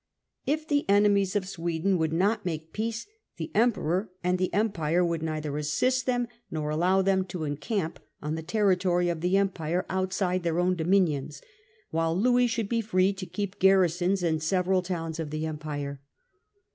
If the enemies of Sweden would not make peace the Emperor and the Empire would neither assist them nor i 679 Further Treaties of Peace . 263 allow them to encamp on the territory of the Empire outside their own dominions, while Louis should be free to keep garrisons in several towns of the Empire.